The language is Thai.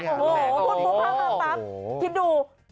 โอ้โหพรุ่งพรุ่งพักคิดดู